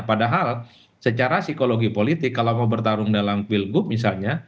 padahal secara psikologi politik kalau mau bertarung dalam pilgub misalnya